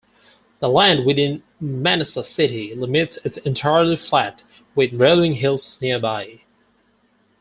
The land within Manassa city limits is entirely flat, with rolling hills nearby.